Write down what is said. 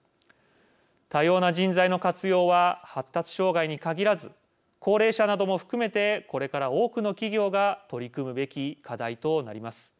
多様な人材の活用は発達障害に限らず高齢者なども含めてこれから多くの企業が取り組むべき課題となります。